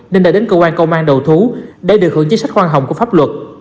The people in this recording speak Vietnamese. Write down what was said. nên đã đến cơ quan công an đầu thú để được hưởng chính sách khoan hồng của pháp luật